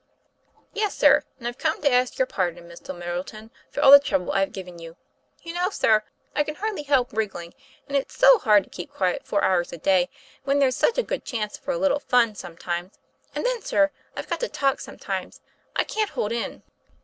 "Yes, sir; and I've come to ask your pardon, Mr. Middleton, for all the trouble I've given you. You know, sir, I can hardly help wriggling; and it's so hard to keep quiet four hours a day, when there's such a good chance for a little fun sometimes; and then, sir, I've got to talk sometimes, I can't hold in."